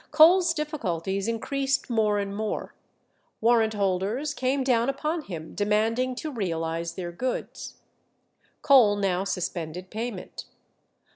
Cole's difficulties increased more and more; warrant holders came down upon him demanding to realize their goods. Cole now suspended payment.